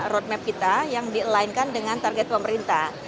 roadmap kita yang di aline kan dengan target pemerintah